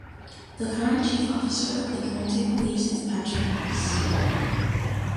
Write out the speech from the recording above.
The current Chief Officer of the Guernsey Police is Patrick Rice.